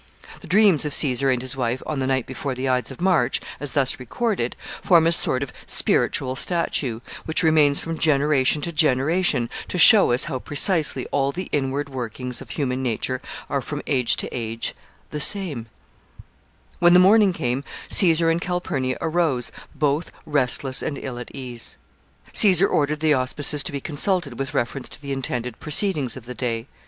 The dreams of Caesar and his wife on the night before the Ides of March, as thus recorded, form a sort of spiritual statue, which remains from generation to generation, to show us how precisely all the inward workings of human nature are from age to age the same. [Sidenote: Caesar hesitates.] When the morning came Caesar and Calpurnia arose, both restless and ill at ease. Caesar ordered the auspices to be consulted with reference to the intended proceedings of the day.